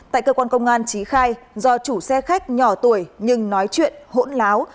tại cơ quan công an trí khai do chủ xe khách nhỏ tuổi nhưng nói chuyện hỗn láo